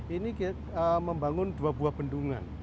ini membangun dua buah bendungan